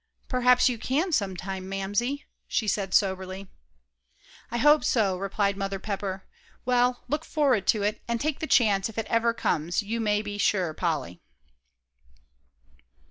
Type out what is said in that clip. "Perhaps you can, sometime, Mamsie," she said soberly. "I hope so," replied Mother Pepper. "Well, well look forward to it, and take the chance, if it ever comes, you may be sure, Polly."